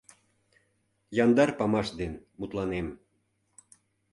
Яндар памаш ден мутланем.